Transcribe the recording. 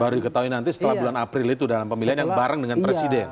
baru diketahui nanti setelah bulan april itu dalam pemilihan yang bareng dengan presiden